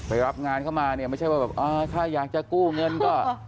รับงานเข้ามาเนี่ยไม่ใช่ว่าแบบถ้าอยากจะกู้เงินก็